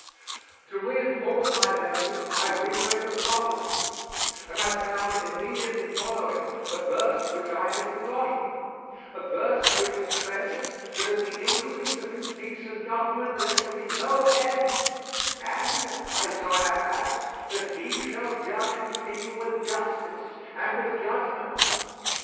To reinforce my memory I re read the prophecy and I found immediately following a verse which I had forgotten a verse which declares that of the increase of His peace and government there shall be no end, And, Isaiah adds, that He shall judge His people with justice and with judgment.